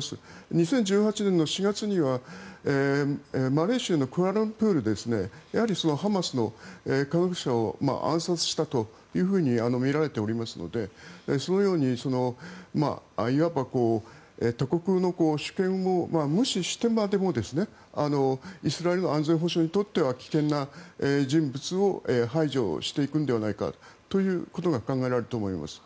２０１８年の４月にはマレーシアのクアラルンプールでハマスの科学者を暗殺したとみられておりますのでそのようにいわば他国の主権を無視してまでもイスラエルの安全保障にとっては危険な人物を排除していくのではないかということが考えられると思います。